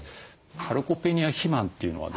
サルコペニア肥満というのはですね